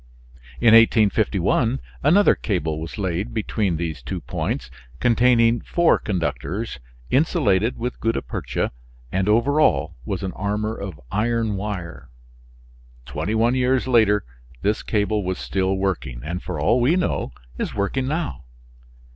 In 1851 another cable was laid between these two points, containing four conductors insulated with gutta percha, and over all was an armor of iron wire. Twenty one years later this cable was still working, and for all we know is working now.